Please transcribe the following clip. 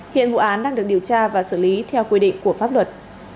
hiện vụ án đang được điều tra và xử lý theo quy định của pháp luật